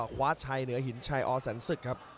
คว้าเช้าหินเช้ตริดอสแสนสุครับ